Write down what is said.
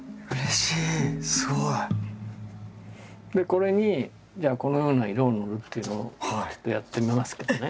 これにじゃあこのような色を塗るっていうのをちょっとやってみますけどね。